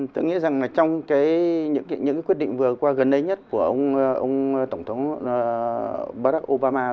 tôi nghĩ rằng trong những quyết định vừa qua gần đây nhất của ông tổng thống barack obama